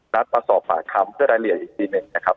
รับประสอบผ่าคำเพื่อได้เหลียดอีกทีหนึ่งนะครับ